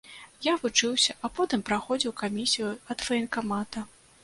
Я вучыўся, а потым праходзіў камісію ад ваенкамата.